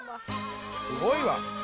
すごいわ。